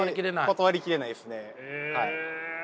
断り切れないですね。